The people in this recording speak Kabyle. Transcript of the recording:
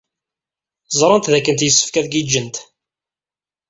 Ẓrant dakken yessefk ad giǧǧent.